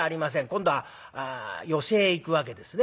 今度は寄席へ行くわけですね。